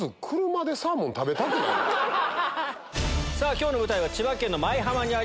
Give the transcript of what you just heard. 今日の舞台は千葉県の舞浜にあります